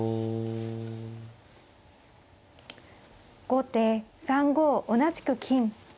後手３五同じく金。